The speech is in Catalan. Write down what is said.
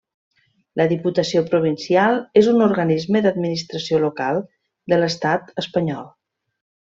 La Diputació provincial és un organisme d'administració local de l'estat espanyol.